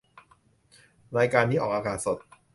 รายการนี้ออกอากาศสด